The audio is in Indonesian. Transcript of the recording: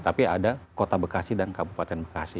tapi ada kota bekasi dan kabupaten bekasi